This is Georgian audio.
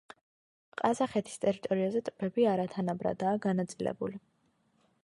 ყაზახეთის ტერიტორიაზე ტბები არათანაბრადაა განაწილებული.